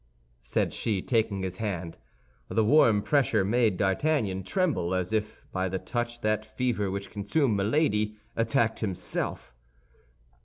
_" said she, taking his hand. The warm pressure made D'Artagnan tremble, as if by the touch that fever which consumed Milady attacked himself.